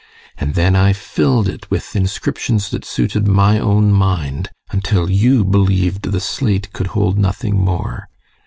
And then I filled it with inscriptions that suited my own mind, until you believed the slate could hold nothing more.